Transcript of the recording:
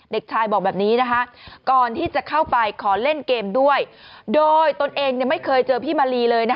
เด็กชายบอกแบบนี้นะคะก่อนที่จะเข้าไปขอเล่นเกมด้วยโดยตนเองไม่เคยเจอพี่มาลีเลย